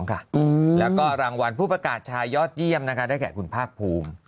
แล้วก็รางวัลผู้ประกาศชายยอดเยี่ยมนะคะได้แก่คุณภาคภูมิ